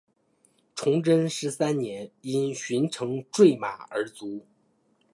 崇祯十三年因巡城坠马而卒。